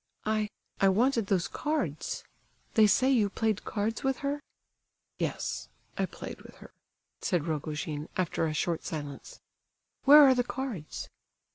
"I—I wanted those cards! They say you played cards with her?" "Yes, I played with her," said Rogojin, after a short silence. "Where are the cards?"